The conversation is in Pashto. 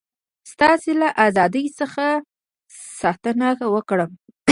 ستاسي له ازادی څخه ساتنه وکړم.